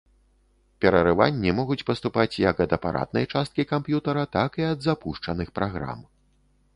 Перарыванні могуць паступаць як ад апаратнай часткі камп'ютара, так і ад запушчаных праграм.